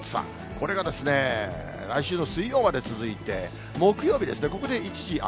これがですね、来週の水曜まで続いて、木曜日ですね、ここで一時雨。